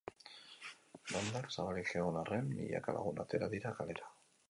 Dendak zabalik egon arren, milaka lagun atera dira kalera.